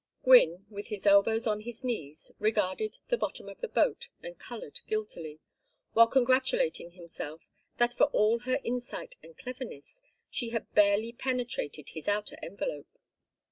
Gwynne, with his elbows on his knees, regarded the bottom of the boat and colored guiltily, while congratulating himself that for all her insight and cleverness she had barely penetrated his outer envelope.